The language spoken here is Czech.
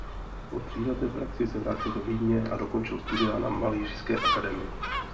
Po tříleté praxi se vrátil do Vídně a dokončit studia na Malířské akademii.